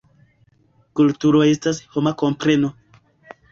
Kulturo estas homa kompreno.